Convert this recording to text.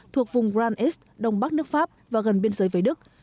thuộc vùng grand est đông bắc nước pháp và gần biên giới với đức